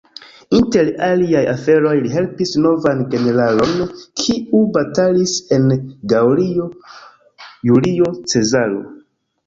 Inter aliaj aferoj, li helpis novan generalon, kiu batalis en Gaŭlio: Julio Cezaro.